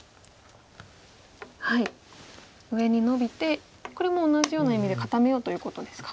上にノビてこれも同じような意味で固めようということですか。